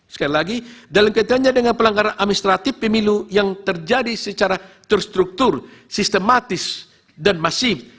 sekali lagi dalam kaitannya dengan pelanggaran administratif pemilu yang terjadi secara terstruktur sistematis dan masif